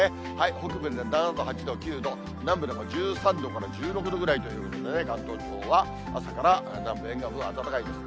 北部で７度、８度、９度、南部でも１３度から１６度くらいということですね、関東地方は朝から南部沿岸部、暖かいです。